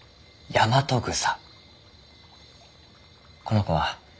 ヤマトグサ！